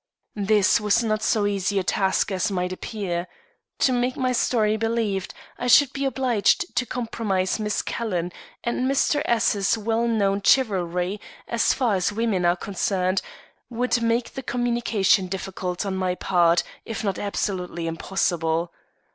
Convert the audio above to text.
This was not so easy a task as might appear. To make my story believed, I should be obliged to compromise Miss Calhoun, and Mr. S 's well known chivalry, as far as women are concerned, would make the communication difficult on my part, if not absolutely impossible.